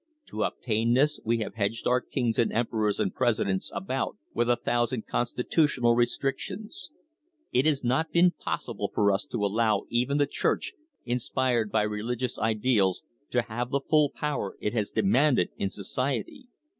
To obtain this we have hedged our kings and emperors and presidents about with a thousand consti tutional restrictions. It has not been possible for us to allow even the church, inspired by religious ideals, to have the full power it has demanded in society.